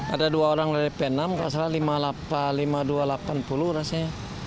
ada dua orang dari vietnam lima dua ratus delapan puluh rasanya